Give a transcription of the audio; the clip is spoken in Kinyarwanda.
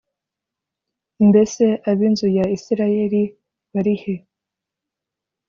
mbese ab inzu ya isirayeli barihe